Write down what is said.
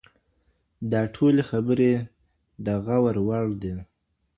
دا ټولې خبري د غور وړ دي.